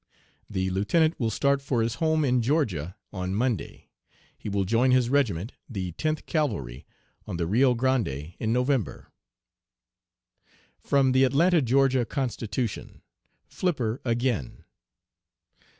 The Lieutenant will start for his home in Georgia on Monday. He will join his regiment, the Tenth Cavalry, on the Rio Grande in November." (From the Atlanta (Ga.) Constitution.) FLIPPER AGAIN.